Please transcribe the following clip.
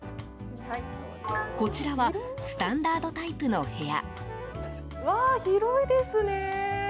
こちらはスタンダードタイプの部屋。